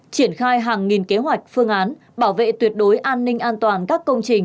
triển khai hàng nghìn kế hoạch phương án bảo vệ tuyệt đối an ninh an toàn các công trình